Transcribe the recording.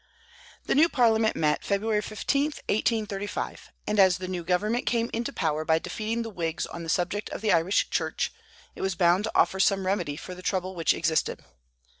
The new Parliament met Feb. 15, 1835; and as the new government came into power by defeating the Whigs on the subject of the Irish Church, it was bound to offer some remedy for the trouble which existed.